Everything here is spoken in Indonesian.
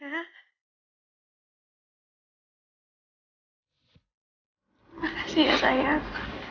makasih ya sayang